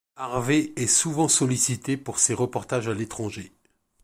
Harvey est souvent sollicité pour ces reportages à l'étranger.